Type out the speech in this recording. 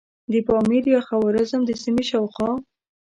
د پامیر یا د خوارزم د سیمې شاوخوا.